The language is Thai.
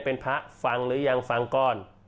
เป็นพระฟังหรือยังฟังก่อน